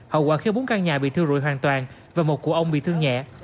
hậu quả khiến bốn căn nhà bị thiêu rụi hoàn toàn và một cụ ông bị thương nhẹ